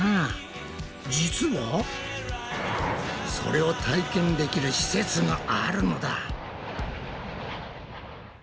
実はそれを体験できる施設があるのだ。